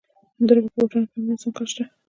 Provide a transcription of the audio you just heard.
همدارنګه په بوټانو کې هم د انسان کار شته